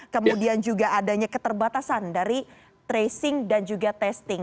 kemudian juga adanya keterbatasan dari tracing dan juga testing